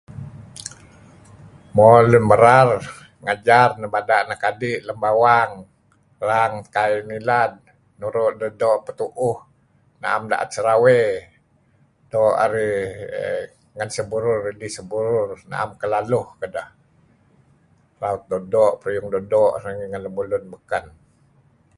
Mo lun merar ngajar, nebada' anak adi lem bawang erang kai nilad, nuru' deh doo' petu'uh, na'em da'et serawey, doo' arih ngen seburur ngen seburur, na'em kedaluh kedeh, raut doo'-doo', peruyung doo'-doo' narih ngen lemulun beken.